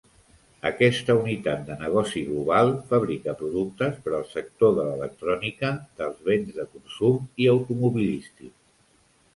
Aquesta Unitat de Negoci Global fabrica productes per al sector de l'electrònica, dels bens de consum i automobilístic.